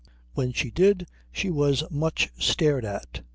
When she did she was much stared at.